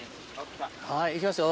はい、いきますよ。